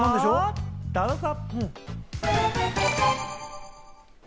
どうぞ！